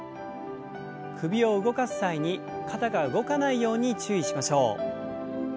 首を動かす際に肩が動かないように注意しましょう。